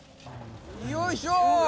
よいしょ！